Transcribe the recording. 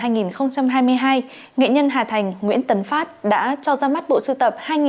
nghệ nhân hà thành nguyễn tấn phát đã cho ra mắt bộ sưu tập